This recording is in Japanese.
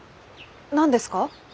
何ですか？